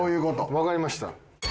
わかりました。